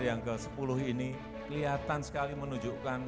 yang ke sepuluh ini kelihatan sekali menunjukkan